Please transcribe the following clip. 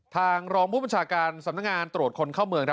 ทางรองผู้บัญชาการสำนักงานตรวจคนเข้าเมือง